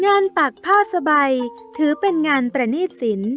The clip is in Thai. งานปักภาษาใบถือเป็นงานประณีตศิลป์